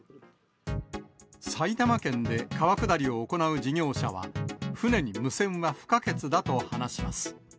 埼玉県で川下りを行う事業者は、船に無線は不可欠だと話します。